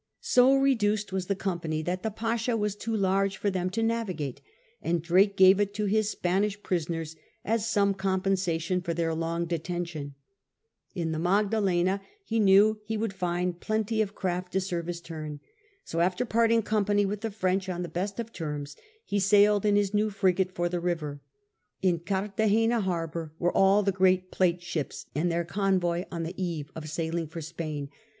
So reduced was the company that the Pasha was too large for them to navigate, and Drake gave it to his Spanish prisoners as some com pensation for their long detention. In the Magdalena 46 S//S FRANCIS DRAKE chap, hi he knew he would find plenty of craft to serve his turn. So after parting company with the French on the best of terms, he sailed in his new frigate for the river. In Cartagena harbour were all the great Plate ships and their convoy on the eve of sailing for Spain.